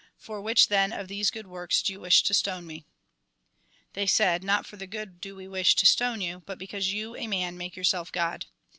For which, then, of these good works do you wish to stone me ?" They said :" Not for the good do we wish to stone you ; but because you, a man, make yourself God."